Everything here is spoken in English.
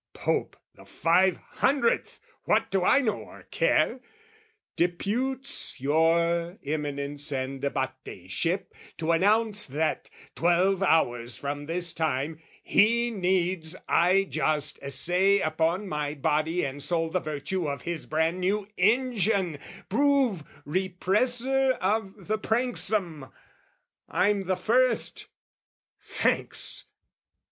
Pope the Five Hundredth...what do I know or care? Deputes your Eminence and Abateship To announce that, twelve hours from this time, he needs I just essay upon my body and soul The virtue of his bran new engine, prove Represser of the pranksome! I'm the first! Thanks.